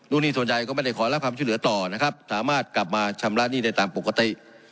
หนี้ส่วนใหญ่ก็ไม่ได้ขอรับความช่วยเหลือต่อนะครับสามารถกลับมาชำระหนี้ได้ตามปกติ